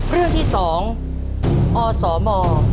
เรื่องที่๒อสม